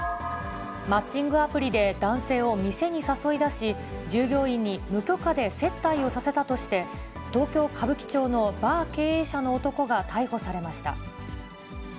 マッチングアプリで男性を店に誘い出し、従業員に無許可で接待をさせたとして、東京・歌舞伎町のバー経営者の男が逮捕されました。